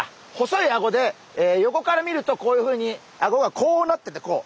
細いアゴで横から見るとこういうふうにアゴがこうなっててこう。